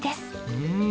うん！